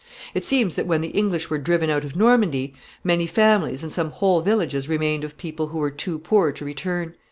It seems that when the English were driven out of Normandy, many families and some whole villages remained of people who were too poor to return.